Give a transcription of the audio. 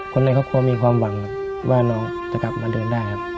คนไหนเขาก็คงมีความหวังว่าน้องจะกลับมาเดินได้ครับ